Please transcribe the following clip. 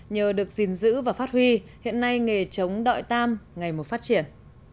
nhờ được gìn giữ và phát huy hiện nay nghề trống đội tam ngày mùa phát triển